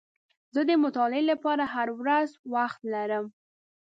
زه د مطالعې لپاره هره ورځ وخت لرم.